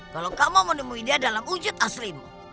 kalau kamu menemui dia dalam wujud aslimu